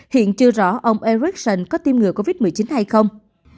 hiện chưa rõ ông ericsson có tiêm ngừa covid một mươi chín hay không